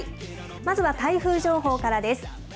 まずは台風情報からです。